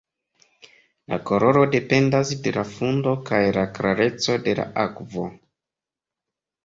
La koloro dependas de la fundo kaj la klareco de la akvo.